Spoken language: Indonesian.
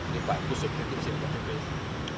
dibahas kususnya di bpk